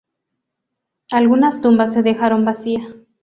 Algunas tumbas se dejaron vacía.